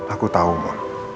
aku tau ma